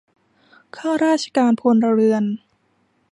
ข้าราชการพลเรือน